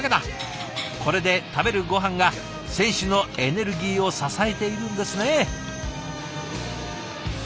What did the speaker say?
これで食べるごはんが選手のエネルギーを支えているんですね。